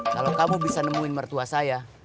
kalau kamu bisa nemuin mertua saya